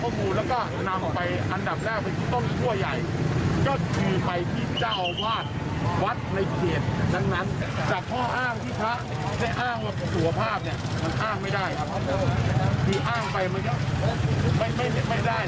คืออ้างไปไม่ได้เจอเด็ดขาเลยครับผม